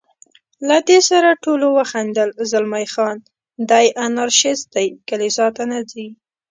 له دې سره ټولو وخندل، زلمی خان: دی انارشیست دی، کلیسا ته نه ځي.